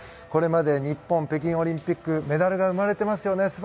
これまで日本、北京オリンピックメダルが生まれていますよね。